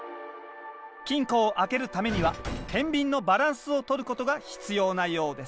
金庫を開けるためにはてんびんのバランスを取ることが必要なようです